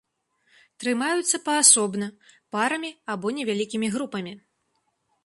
Трымаюцца паасобна, парамі або невялікімі групамі.